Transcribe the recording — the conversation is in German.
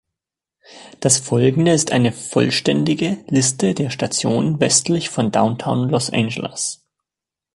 Das Folgende ist eine vollständige Liste der Stationen westlich von Downtown Los Angeles.